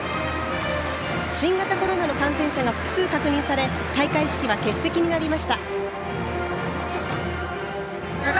新型コロナの感染者が複数確認され開会式は欠席になりました。